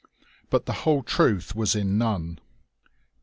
But the whole truth was in none.